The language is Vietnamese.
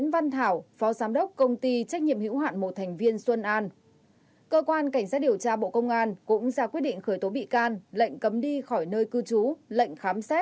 phạm thanh thạch phó tổng giám đốc công ty cổ phần khoáng sản bắc giang